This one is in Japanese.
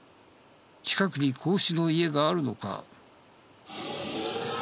近くに子牛の家があるのか？